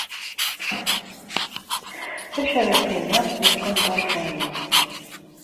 D acu ara tiniḍ di tqendurt-a-inu?